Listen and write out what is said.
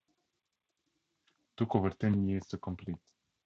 This Tafsir took over ten years to complete.